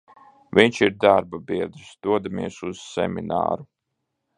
Vinš ir darbabiedrs, dodamies uz semināru.